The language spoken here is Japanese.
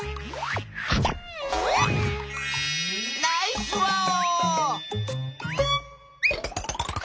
ナイスワオ！